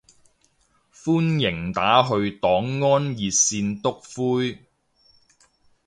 歡迎打去黨安熱線篤灰